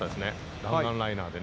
弾丸ライナーでね。